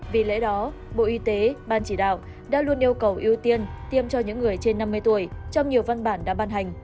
vì lẽ đó bộ y tế ban chỉ đạo đã luôn yêu cầu ưu tiên tiêm cho những người trên năm mươi tuổi trong nhiều văn bản đã ban hành